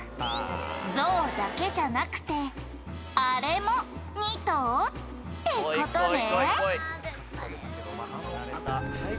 「象だけじゃなくてあれも二頭って事ね！」